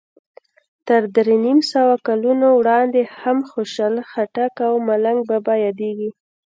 تر درې نیم سوو کلونو وروسته هم خوشال خټک او ملنګ بابا یادیږي.